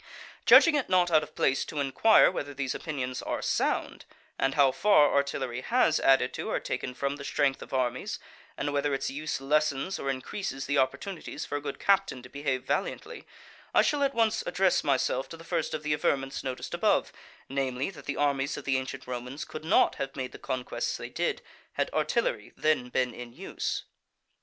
Judging it not out of place to inquire whether these opinions are sound, and how far artillery has added to or taken from the strength of armies, and whether its use lessens or increases the opportunities for a good captain to behave valiantly, I shall at once address myself to the first of the averments noticed above, namely, that the armies of the ancient Romans could not have made the conquests they did, had artillery then been in use.